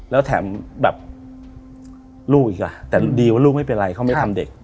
แล้วแถมแบบลูกอีกอ่ะแต่ดีว่าลูกไม่เป็นไรเขาไม่ทำเด็ก